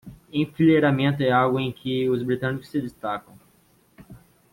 Enfileiramento é algo em que os britânicos se destacam.